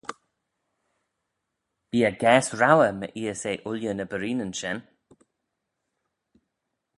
Bee eh gaase roauyr my eeys eh ooilley ny berreenyn shen .